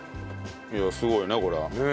いやすごいねこれは。